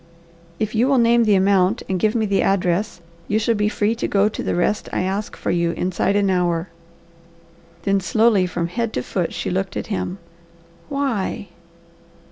"If you will name the amount and give me the address, you shall be free to go to the rest I ask for you inside an hour." Then slowly from head to foot she looked at him. "Why?"